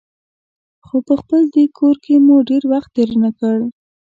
خو په خپل دې کور کې مو ډېر وخت تېر نه کړ.